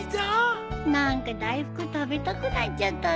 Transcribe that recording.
何か大福食べたくなっちゃったね。